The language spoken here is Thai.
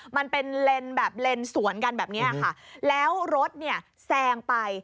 มันเป็นเลนส์แบบเลนสวนกันแบบเนี้ยค่ะแล้วรถเนี่ยแซงไป